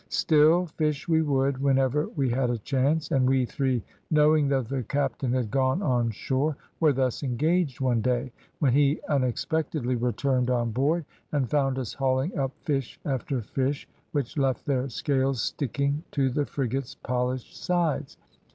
Still fish we would, whenever we had a chance, and we three, knowing that the captain had gone on shore, were thus engaged one day, when he unexpectedly returned on board, and found us hauling up fish after fish, which left their scales sticking to the frigate's polished sides.